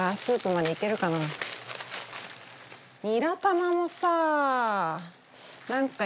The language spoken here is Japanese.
ニラ玉もさなんか。